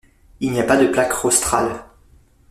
Il n'y a pas de plaque rostrale.